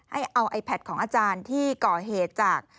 ให้เอาไอแพทของอาจารย์ที่ก่อเหตุจาก